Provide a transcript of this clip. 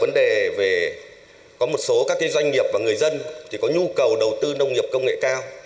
vấn đề về có một số các doanh nghiệp và người dân thì có nhu cầu đầu tư nông nghiệp công nghệ cao